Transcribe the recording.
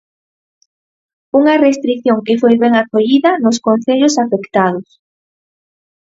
Unha restrición que foi ben acollida nos concellos afectados.